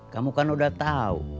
kamu kan udah tahu